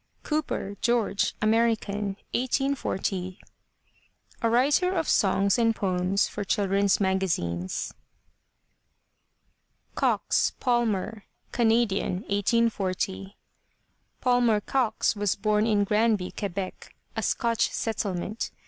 COOPER, GEORGE (American, 1840 ?) A writer of songs and poems for children's magazines. COX, PALMER (Canadian, 1840 ) Palmer Cox was bom in Granby, Quebec, a Scotch settlement.